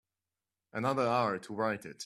Another hour to write it.